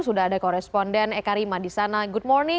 sudah ada koresponden ekarima di sana good morning